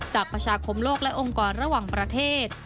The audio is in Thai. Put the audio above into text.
ประชาคมโลกและองค์กรระหว่างประเทศ